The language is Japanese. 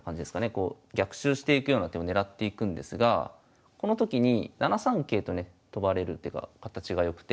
こう逆襲していくような手を狙っていくんですがこの時に７三桂とね跳ばれる手が形が良くて。